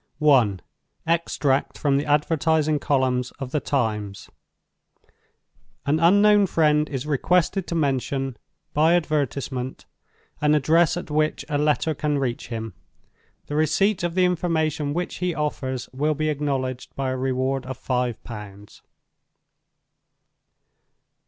I. Extract from the Advertising Columns of "The Times." "An unknown friend is requested to mention (by advertisement) an address at which a letter can reach him. The receipt of the information which he offers will be acknowledged by a reward of Five Pounds."